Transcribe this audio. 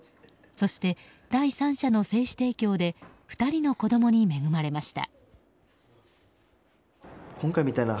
そして、第三者の精子提供で２人の子供に恵まれました。